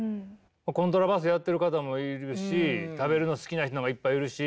コントラバスやってる方もいるし食べるの好きな人なんかいっぱいいるし。